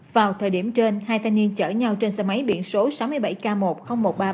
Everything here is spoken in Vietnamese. vào thời điểm trên hai thanh niên chở nhau trên xe máy biển số sáu mươi bảy k một trăm linh một nghìn ba trăm ba mươi sáu